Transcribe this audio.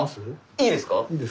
いいですか？